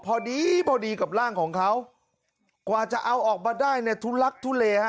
พอดีพอดีกับร่างของเขากว่าจะเอาออกมาได้เนี่ยทุลักทุเลฮะ